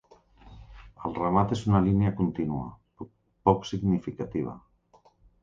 El remat és una línia contínua, poc significativa.